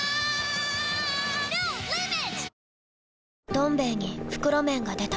「どん兵衛」に袋麺が出た